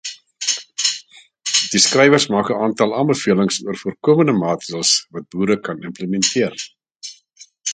Die skrywers maak 'n aantal aanbevelings oor voorkomende maatreëls wat boere kan implementeer.